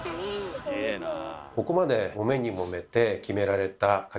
すげえなあ。